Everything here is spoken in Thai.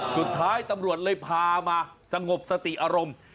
สุดท้ายตำรวจเลยพามาสงบสติอารมณ์